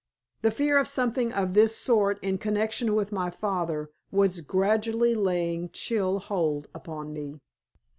The fear of something of this sort in connection with my father was gradually laying chill hold upon me.